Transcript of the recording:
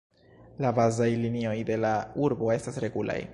La bazaj linioj de la urbo estas regulaj.